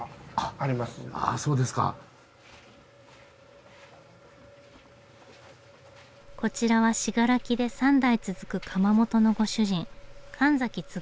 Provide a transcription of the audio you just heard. あそうですか。こちらは信楽で３代続く窯元のご主人